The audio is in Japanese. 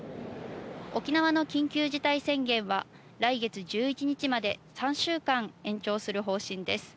沖縄の緊急事態宣言は来月１１日まで３週間延長する方針です。